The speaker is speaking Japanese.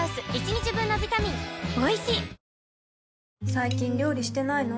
最近料理してないの？